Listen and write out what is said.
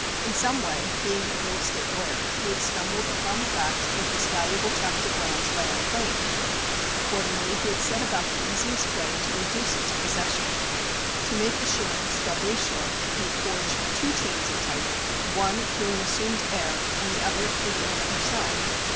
In some way, being a real estate lawyer, he had stumbled upon the fact that this valuable tract of land lay unclaimed. Accordingly, he had set about the easiest way to reduce it to possession. To make assurance doubly sure he had forged two chains of title, one through an assumed heir and the other through the owner herself.